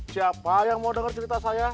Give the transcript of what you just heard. siapa yang mau dengar cerita saya